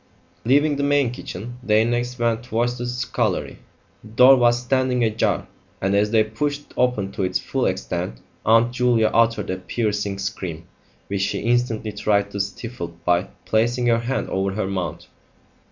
Leaving the main kitchen, they next went towards the scullery. The door was standing ajar, and as they pushed it open to its full extent Aunt Julia uttered a piercing scream, which she instantly tried to stifle by placing her hand over her mouth.